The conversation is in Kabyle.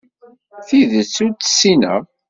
Tidet ur tt-ssineɣ.